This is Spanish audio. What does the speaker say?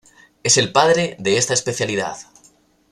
Es el padre de esta especialidad.